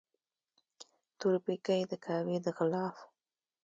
تور پیکی یې د کعبې د غلاف